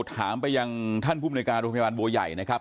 ถามไปยังท่านผู้บริการุงพยาบาลโบยัยนะครับ